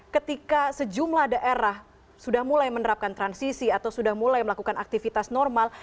ketika sejumlah daerah sudah mulai menerapkan transisi atau sudah mulai melakukan aktivitas normal